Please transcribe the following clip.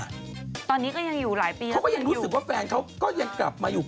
ตอนนี้ก็ยังอยู่หลายปีเขาก็ยังรู้สึกว่าแฟนเขาก็ยังกลับมาอยู่